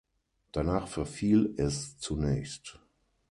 Danach verfiel es zunächst.